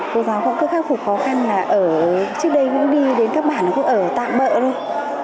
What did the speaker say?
cô giáo cũng cứ khắc phục khó khăn là ở trước đây cũng đi đến các bản cứ ở tạm bỡ luôn